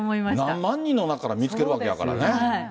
何万人の中から見つけるわけやからね。